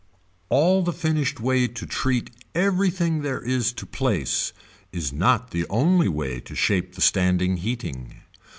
All the finished way to treat everything there is to place is not the only way to shape the standing heating.